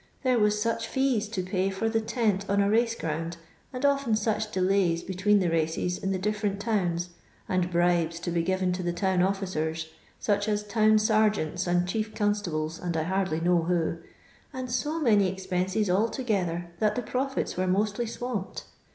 There was such fees to pay for the tent on a raoe gxound, and often such dehiys between the races in the different towns, and bribes to be given to the town officers — such as town Krg<«nts and chief conbtibles, and I hardly know who — and so many expenses altogether, that the profits were mostly swamped.